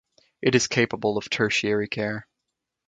It is capable of tertiary care.